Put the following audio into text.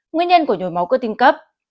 nguyên nhân của nhồi máu cơ tim cấp